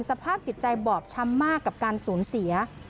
สภาพจิตใจบอบช้ำมากกับการสูญเสีย